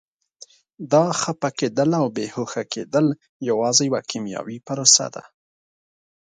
دا خفه کېدل او بې هوښه کېدل یوازې یوه کیمیاوي پروسه ده.